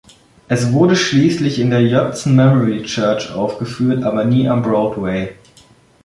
Es wurde schließlich in der Judson Memorial Church aufgeführt, aber nie am Broadway.